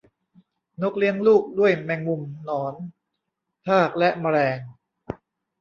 นกเลี้ยงลูกด้วยแมงมุมหนอนทากและแมลง